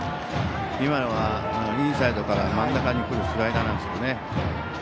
今のはインサイドから真ん中に来るスライダーなんですけどね。